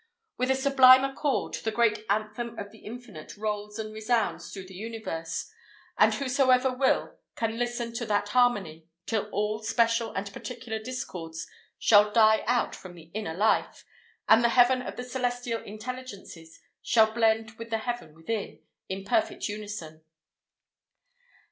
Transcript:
With a sublime accord, the great anthem of the Infinite "rolls and resounds" through the Universe, and whosoever will, can listen to that harmony, till all special and particular discords shall die out from the "Inner Life," and the Heaven of the celestial intelligences shall blend with the "Heaven within," in perfect unison!